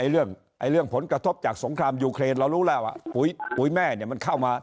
เรื่องผลกระทบจากสงครามยูเครนเรารู้แล้วว่าปุ๋ยแม่มันเข้ามา